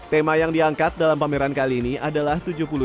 tema yang diangkat dalam pameran kali ini adalah tujuh puluh tujuh